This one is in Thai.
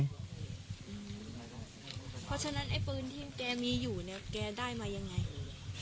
เพราะฉะนั้นไอ้ปืนที่แกมีอยู่เนี่ยแกได้มายังไง